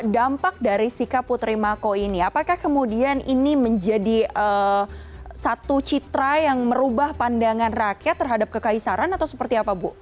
dampak dari sikap putri mako ini apakah kemudian ini menjadi satu citra yang merubah pandangan rakyat terhadap kekaisaran atau seperti apa bu